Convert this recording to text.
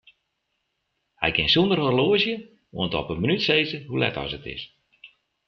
Hy kin sonder horloazje oant op 'e minút sizze hoe let as it is.